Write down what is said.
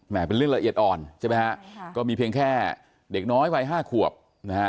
เป็นเรื่องละเอียดอ่อนใช่ไหมฮะก็มีเพียงแค่เด็กน้อยวัยห้าขวบนะฮะ